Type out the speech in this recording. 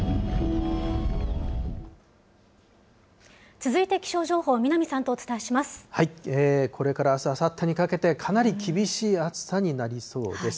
続いて気象情報、これからあす、あさってにかけて、かなり厳しい暑さになりそうです。